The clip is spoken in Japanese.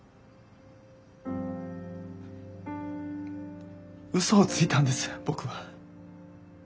うそをついたんです僕は。